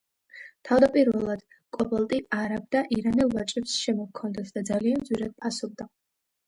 თავდაპირველად კობალტი არაბ და ირანელ ვაჭრებს შემოჰქონდათ და ძალიან ძვირად ფასობდა.